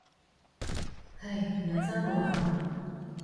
唉，人生好難。